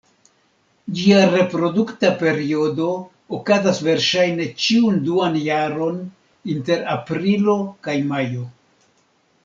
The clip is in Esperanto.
Ĝia reprodukta periodo okazas verŝajne ĉiun duan jaron, inter aprilo kaj majo.